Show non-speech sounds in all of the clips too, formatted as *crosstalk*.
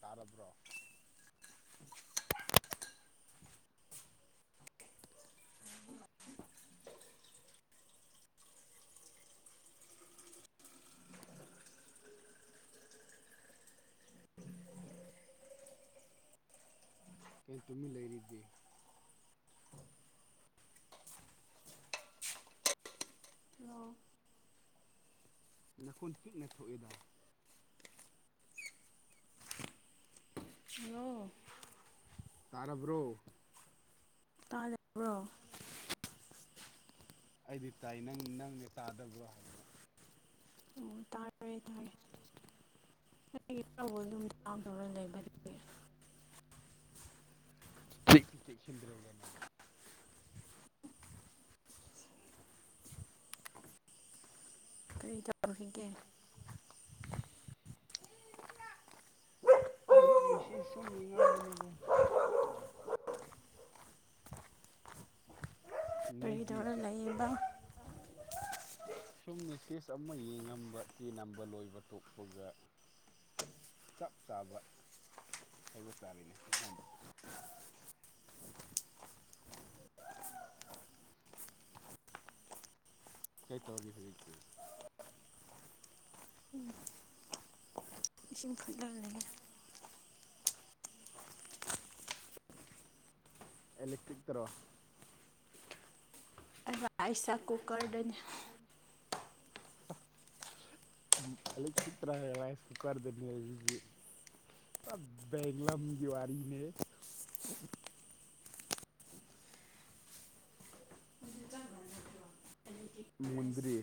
ꯇꯥꯔꯕ꯭ꯔꯣ *inaudible* ꯀꯔꯤ ꯇꯨꯃꯤ ꯂꯩꯔꯤꯗꯤ ꯍꯜꯂꯣ ꯅꯈꯣꯟ ꯄꯤꯛꯅ ꯊꯣꯛꯑꯦꯗ ꯍꯜꯂꯣ ꯇꯥꯔꯕ꯭ꯔꯣ ꯇꯥꯗꯕ꯭ꯔꯣ ꯑꯩꯗꯤ ꯇꯥꯏ ꯅꯪ ꯅꯪꯅꯦ ꯇꯥꯗꯕ꯭ꯔꯥ ꯑꯣ ꯇꯥꯔꯦ *unintelligible* *inaudible* *unintelligible* ꯒ꯭ꯔꯨꯞ ꯃꯁꯤ ꯁꯨꯝ ꯃꯤꯉꯝꯕꯅꯤꯗ *unintelligible* ꯅꯣꯏꯒꯤ ꯀꯔꯤꯗꯧꯔ ꯂꯩꯔꯤꯕ ꯁꯨꯝ ꯃꯦꯁꯦꯖ ꯑꯃ ꯌꯦꯡꯉꯝꯕ ꯆꯦ ꯅꯝꯕ ꯂꯣꯏꯕ ꯇꯣꯛꯄꯒ ꯆꯞ ꯆꯥꯕ ꯍꯥꯏꯕ ꯆꯥꯔꯤꯅꯦ ꯑꯩꯉꯣꯟꯗ ꯀꯩ ꯇꯧꯔꯤ ꯍꯧꯖꯤꯛꯇꯤ ꯎꯝ ꯏꯁꯤꯡ ꯈꯠꯂ ꯂꯩꯌꯦ ꯏꯂꯦꯛꯇ꯭ꯔꯤꯛ ꯇꯔꯣ *unintelligible* *inaudible* *inaudible* *inaudible* ꯃꯨꯟ ꯗ꯭ꯔꯤ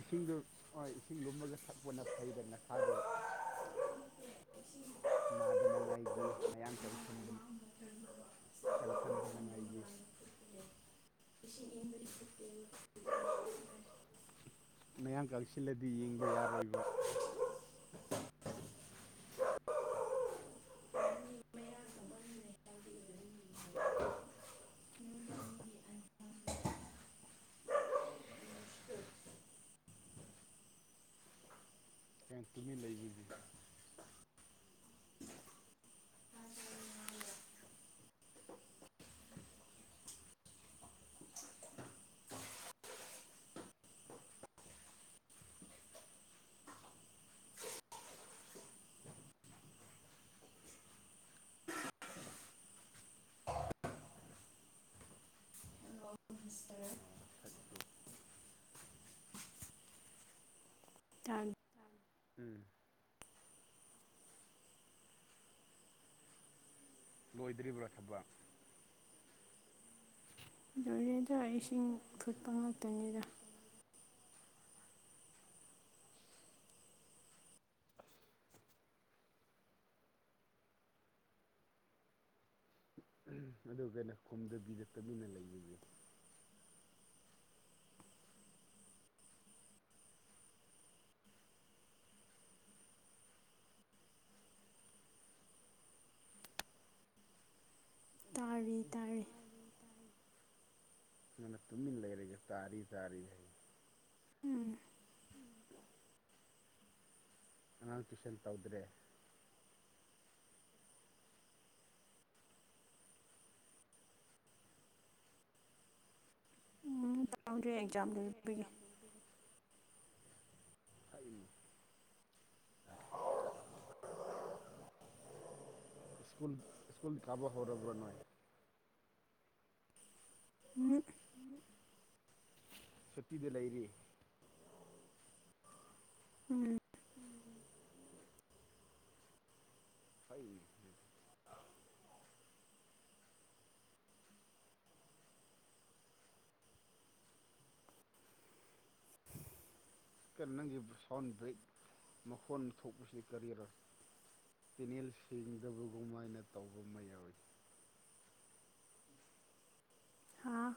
ꯏꯁꯤꯡꯗꯣ ꯍꯣꯏ ꯏꯁꯤꯡ ꯂꯨꯝꯃꯒ ꯊꯛꯄꯅ ꯐꯩꯗ ꯅꯁꯥꯗꯣ ꯅꯥꯗꯅꯉꯥꯏꯒꯤ ꯃꯌꯥꯝ ꯀꯪꯁꯤꯡ *inaudible* *unintelligible* *unintelligible* ꯃꯌꯥꯝ ꯀꯛꯁꯤꯜꯂꯗꯤ ꯌꯦꯡꯕ ꯌꯥꯔꯣꯏꯕ *inaudible* ꯑꯣ ꯊꯕꯛꯇꯣ *unintelligible* *inaudible* ꯂꯣꯏꯗ꯭ꯔꯤꯕ꯭ꯔꯥ ꯊꯕꯛ ꯂꯣꯏꯔꯦꯗ ꯏꯁꯤꯡ ꯐꯨꯠꯄ ꯉꯥꯛꯇꯅꯤꯗ *inaudible* ꯇꯥꯔꯤ ꯇꯥꯔꯤ ꯅꯪꯅ ꯇꯨꯃꯤꯟ ꯂꯩꯔꯒ ꯇꯥꯔꯤ ꯇꯥꯔꯤ ꯍꯥꯏ ꯎꯝ ꯑꯉꯥꯡ ꯇꯨꯏꯁꯟ ꯇꯧꯗ꯭ꯔꯦ *unintelligible* *inaudible* *inaudible* ꯁ꯭ꯀꯨꯜ ꯁ꯭ꯀꯨꯜ ꯀꯥꯕ ꯍꯧꯔꯕ꯭ꯔꯥ ꯅꯣꯏ ꯍꯨꯝ ꯁꯨꯇꯤꯗ ꯂꯩꯔꯤ ꯎꯝ *inaudible* *inaudible* ꯀꯥ ꯅꯪꯒꯤ ꯁꯥꯎꯟ ꯕ꯭ꯔꯦꯛ ꯃꯈꯣꯟ ꯊꯣꯛꯄꯁꯤ ꯀꯔꯤꯔꯥ ꯆꯦꯅꯦꯜ ꯁꯦꯡꯗꯕꯒꯨꯃꯥꯏꯅ ꯇꯧꯕ ꯃꯥ ꯌꯥꯎꯋꯤ ꯍꯥꯥ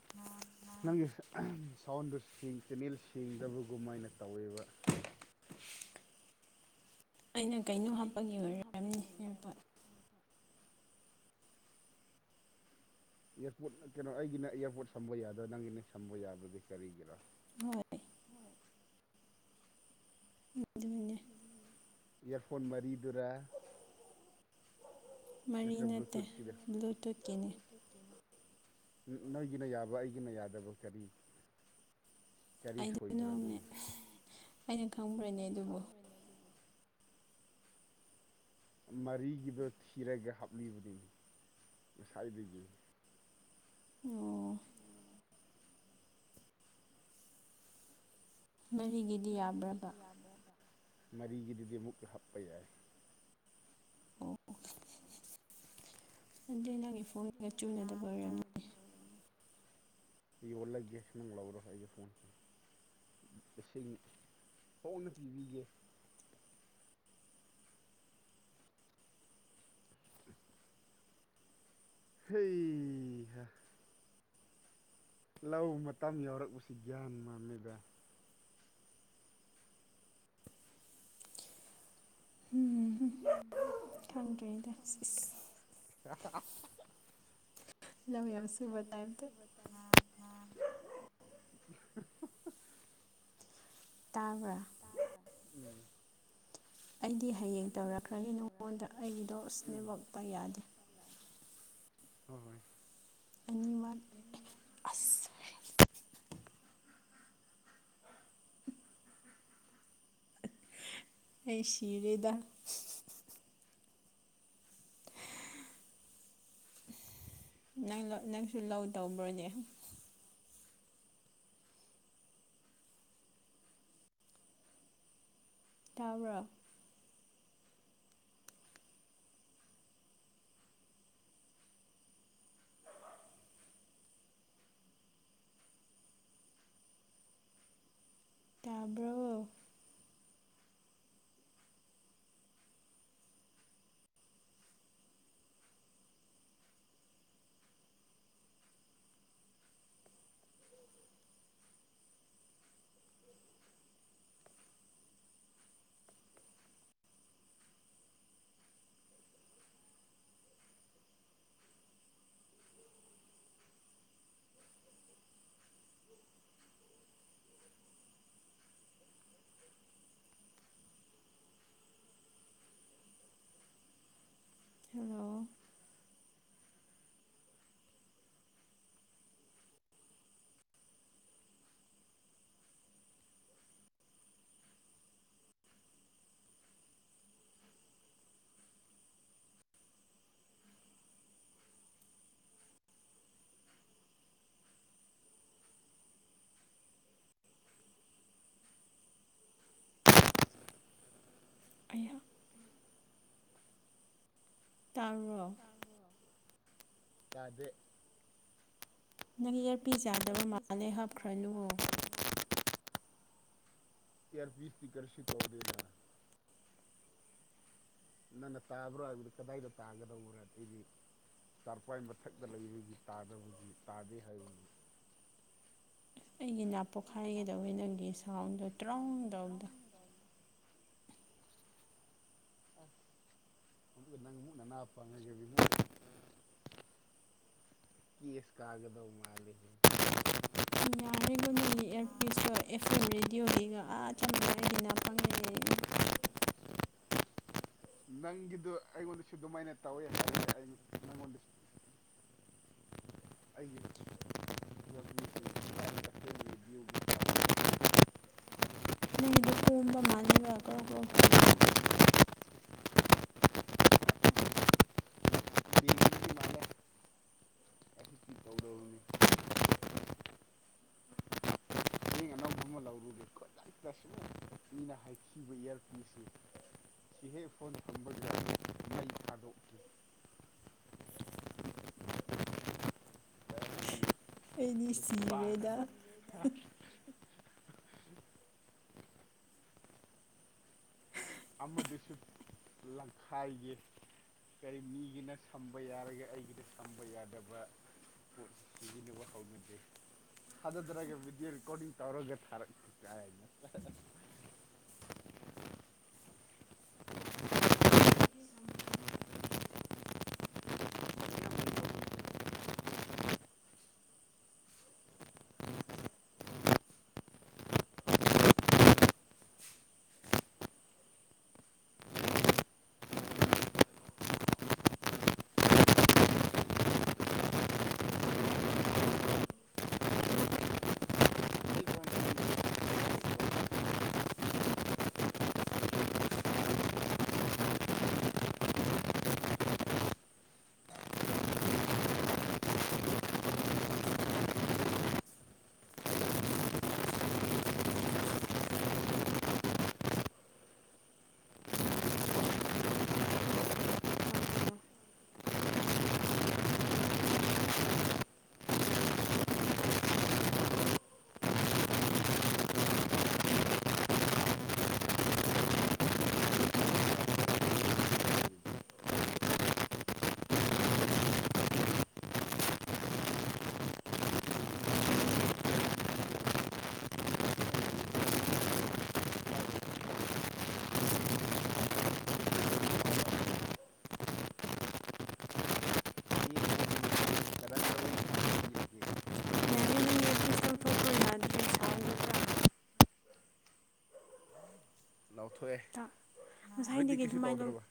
*inaudible* ꯅꯪꯒꯤ ꯁꯥꯎꯟꯗꯨ ꯁꯦꯡ ꯆꯦꯅꯦꯜ ꯁꯦꯡꯗꯕꯒꯨꯃꯥꯏꯅ ꯇꯧꯋꯦꯕ ꯑꯩꯅ ꯀꯩꯅꯣ ꯍꯥꯞꯄꯒꯤ ꯑꯣꯏꯔꯝꯅꯤ ꯏꯌꯥꯔꯄꯣꯠ ꯏꯌꯥꯔꯄꯣꯔꯠ ꯀꯩꯅꯣ ꯑꯩꯒꯤꯅ ꯏꯌꯥꯔꯄꯣꯔꯠ ꯁꯝꯕ ꯌꯥꯗ꯭ꯔꯥ ꯅꯪꯒꯤꯅꯦ ꯁꯝꯕ ꯌꯥꯕꯗꯤ ꯀꯔꯤꯒꯤꯔꯥ ꯍꯣꯏ ꯑꯗꯨꯒꯤꯅꯦ ꯏꯌꯥꯔꯐꯣꯟ ꯃꯔꯤꯗꯨꯔꯥ ꯃꯔꯤ ꯅꯠꯇ꯭ꯔ ꯅꯠꯇꯦ ꯕ꯭ꯂꯨꯇꯨꯠꯀꯤꯗ ꯕ꯭ꯂꯨꯇꯨꯠꯀꯤꯅꯤ ꯅꯣꯏꯒꯤꯅ ꯌꯥꯕ ꯑꯩꯒꯤꯅ ꯌꯥꯗꯕ ꯀꯔꯤ ꯀꯔꯤ ꯑꯩꯗꯤ ꯁꯣꯏꯕ꯭ꯔꯥ ꯑꯗꯨꯕꯨ *unintelligible* ꯑꯩꯅ ꯈꯪꯕ꯭ꯔꯥꯅꯦ ꯑꯗꯨꯕꯨ ꯃꯔꯤꯒꯤꯗꯣ ꯊꯤꯔꯒ ꯍꯥꯞꯂꯤꯕꯅꯤ ꯉꯁꯥꯏꯗꯒꯤ ꯑꯣ ꯃꯔꯤꯒꯤꯗꯤ ꯌꯥꯕ꯭ꯔꯥꯕ ꯃꯔꯤꯒꯤꯗꯨꯗꯤ ꯑꯃꯨꯛꯀꯥ ꯍꯥꯞꯄ ꯌꯥꯏ ꯑꯣ ꯑꯗꯨꯏ ꯅꯪꯒꯤ ꯐꯣꯟꯒ ꯆꯨꯟꯅꯗꯕ ꯑꯣꯏꯔꯝꯅꯤ ꯌꯣꯜꯂꯒꯦ ꯅꯪ ꯂꯧꯔꯣ ꯑꯩꯒꯤ ꯐꯣꯟꯁꯦ ꯂꯤꯁꯤꯡ ꯍꯣꯡꯅ ꯄꯤꯕꯤꯒꯦ ꯍꯩ ꯂꯧ ꯃꯇꯝ ꯌꯥꯎꯔꯛꯄꯁꯤ ꯒ꯭ꯌꯥꯟ ꯃꯝꯃꯤꯗ ꯍꯝ ꯈꯪꯗ꯭ꯔꯦꯗ ꯁꯤ ꯏꯁ *unintelligible* ꯂꯧ ꯌꯥꯝ ꯁꯨ *inaudible* ꯇꯥꯕ꯭ꯔꯥ ꯎꯝ ꯑꯩꯗꯤ ꯍꯌꯦꯡ ꯇꯧꯔꯛꯀꯥꯅꯤ ꯅꯉꯣꯟꯗ ꯑꯩꯒꯤꯗꯣ ꯑꯁ ꯅꯦꯠꯋꯥꯛꯄ ꯌꯥꯗꯦ ꯍꯣ ꯍꯣꯏ ꯑꯅꯤꯃꯛ ꯑꯁ *inaudible* ꯑꯩ ꯁꯤꯔꯦꯗ ꯅꯪ ꯂꯥ ꯅꯪꯁꯨ ꯂꯧ ꯇꯧꯕ꯭ꯔꯥꯅꯦ ꯇꯥꯕ꯭ꯔꯣ ꯇꯥꯕ꯭ꯔꯣ *inaudible* ꯍꯦꯜꯂꯣ ꯑꯌꯥ ꯇꯥꯔꯕ꯭ꯔꯣ ꯇꯥꯗꯦ ꯅꯪ ꯏꯌꯥꯔꯄꯤꯁ ꯌꯥꯗꯕ ꯃꯥꯜꯂꯦ ꯍꯥꯞꯈ꯭ꯔꯅꯨ *unintelligible* ꯏꯌꯔꯄꯤꯁꯇꯤ ꯀꯔꯤꯁꯨ ꯇꯧꯗꯦꯗ ꯅꯪ ꯅ ꯇꯥꯕ꯭ꯔꯣ ꯍꯥꯏꯕꯗꯨ ꯀꯗꯥꯏꯗ ꯇꯥꯒꯗꯧꯕ꯭ꯔ ꯑꯗꯩꯗꯤ *unintelligible* ꯃꯊꯛꯇ ꯂꯩꯕꯒꯤ ꯇꯥꯗꯕꯒꯤ ꯇꯥꯗꯦ ꯍꯥꯏꯕꯒꯤ ꯑꯩꯒꯤ ꯅꯥ ꯄꯣꯛꯈꯥꯏꯒꯦ ꯇꯧꯋꯦ ꯅꯪꯒꯤ ꯁꯥꯎꯟꯗꯣ ꯇ꯭ꯔꯣꯡ ꯇꯧꯕꯗꯣ ꯑꯁ ꯑꯃꯨꯛꯀ ꯅꯪ ꯑꯃꯨꯛ *unintelligible* ꯀꯦꯁ ꯀꯥꯒꯗꯧ ꯃꯥꯟꯂꯦꯍꯦ *unintelligible* ꯌꯥꯔꯦꯗ ꯅꯪꯒꯤ ꯏꯌꯥꯔꯄꯤꯁꯇꯣ ꯑꯦꯐ ꯑꯦꯝ ꯔꯦꯗꯤꯑꯣꯒꯤꯒ ꯑꯥ ꯆꯞ ꯃꯥꯟꯅꯔꯦ ꯑꯩꯒꯤ ꯅꯥ ꯄꯪꯉꯦ *unintelligible* ꯅꯪꯒꯤꯗꯨ ꯑꯩꯉꯣꯟꯗꯁꯨ ꯑꯗꯨꯃꯥꯏꯅ ꯇꯧꯋꯦ ꯍꯥꯏꯔꯒ ꯑꯩ ꯅꯪꯉꯣꯟꯗꯁꯨ ꯑꯩꯒꯤ *unintelligible* ꯅꯪꯒꯤꯗꯣ ꯀꯣꯝꯕ ꯃꯥꯜꯂꯦꯕ ꯀꯔꯧ ꯀꯔꯧ ꯇꯧꯋꯦꯕ *unintelligible* *unintelligible* *unintelligible* ꯍꯥꯏꯊꯤꯕ ꯏꯌꯔꯄꯤꯁ ꯁꯦ ꯁꯤꯍꯦꯛ ꯐꯣꯟ ꯊꯝꯕꯒ ꯃꯩ ꯊꯥꯗꯣꯛꯀꯦ ꯑꯩꯒꯤ ꯑꯩꯗꯤ ꯁꯤꯔꯦꯗ *unintelligible* ꯑꯃꯗꯨꯁꯨ ꯂꯪꯈꯥꯏꯒꯦ ꯀꯔꯤ ꯃꯤꯒꯤꯅ ꯁꯝꯕ ꯌꯥꯔꯒ ꯑꯩꯒꯤꯅ ꯁꯝꯕ ꯌꯥꯗꯕ ꯄꯣꯠ ꯁꯤꯖꯤꯟꯅꯕ ꯍꯧꯅꯗꯦ ꯊꯥꯖꯗ꯭ꯔꯒ ꯚꯤꯗꯤꯑꯣ ꯔꯦꯀꯣꯗꯤꯡ ꯇꯧꯔꯒ ꯊꯥꯔꯛꯀꯦ ꯀꯥꯏꯅ *unintelligible* *inaudible* *unintelligible* *unintelligible* *unintelligible* *unintelligible* *unintelligible* *unintelligible* *unintelligible* ꯇꯥꯕ꯭ꯔꯣ *unintelligible* *unintelligible* *unintelligible* *unintelligible* *unintelligible* *unintelligible* *unintelligible* ꯌꯥꯔꯦ ꯅꯪꯒꯤ ꯑꯦꯌꯔꯄꯤꯁꯇꯣ ꯂꯧꯊꯣꯛꯈ꯭ꯔꯣ ꯌꯥꯗ꯭ꯔꯦ ꯁꯥꯎꯟꯗꯣ ꯄꯨꯔꯥ ꯂꯥꯎꯊꯣꯛꯑꯦ ꯍꯧꯖꯤꯛꯗꯤ ꯉꯁꯥꯏꯗꯒꯤ ꯀꯩꯁꯨ ꯑꯗꯨꯃꯥꯏꯅ ꯇꯧꯗ꯭ꯔꯕ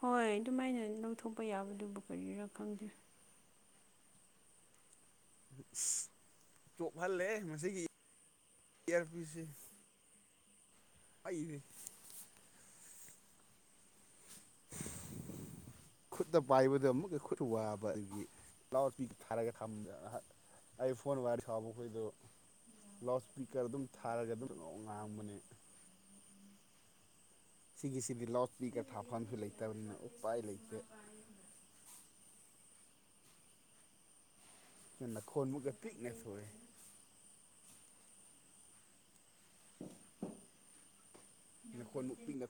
ꯍꯣꯏ ꯑꯗꯨꯃꯥꯏꯅ ꯂꯧꯊꯣꯛꯄ ꯌꯥꯕꯗꯨꯕꯨ ꯀꯔꯤꯔꯥ ꯈꯪꯗꯦ ꯆꯣꯞꯍꯜꯂꯦ ꯃꯁꯤꯒꯤ ꯏꯌꯥꯔ ꯄꯤꯁꯁꯦ ꯑꯩ *unintelligible* ꯈꯨꯠꯇ ꯄꯥꯏꯕꯗ ꯑꯃꯨꯛꯀ ꯈꯨꯠ ꯋꯥꯕꯒꯤ ꯂꯥꯎꯁ ꯄꯤ ꯊꯥꯔꯒ ꯊꯝ *unintelligible* ꯑꯩ ꯐꯣꯟ ꯋꯥꯏꯔ *unintelligible* ꯂꯥꯎꯠ ꯏꯁꯄꯤꯀꯔ ꯑꯗꯨꯝ ꯊꯥꯔꯒ ꯑꯗꯨꯝ ꯉꯥꯡꯕꯅꯦ ꯁꯤꯒꯤꯁꯤꯗꯤ ꯂꯥꯎꯠꯁ꯭ꯄꯤꯀ ꯊꯥꯐꯝꯁꯨ ꯂꯩꯇꯕꯅꯤꯅ ꯎꯄꯥꯏ ꯂꯩꯇꯦ ꯅ ꯅꯈꯣꯟꯃꯨꯛꯀ ꯄꯤꯛꯅ ꯊꯣꯛꯑꯦ ꯅꯈꯣꯟ ꯄꯤꯛꯅ